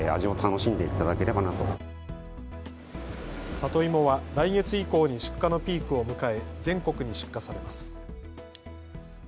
里芋は来月以降に出荷のピークを迎え、全国に出荷されます。